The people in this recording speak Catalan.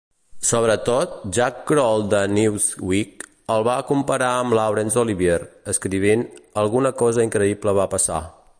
Sobretot, Jack Kroll de "Newsweek" el va comparar amb Laurence Olivier, escrivint: "Alguna cosa increïble va passar.